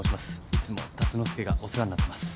いつも竜之介がお世話になってます。